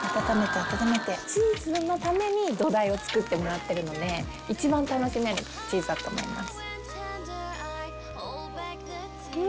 チーズのために土台を作ってもらってるので一番楽しめるチーズだと思います。